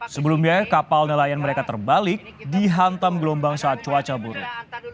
sebelumnya kapal nelayan mereka terbalik dihantam gelombang saat cuaca buruk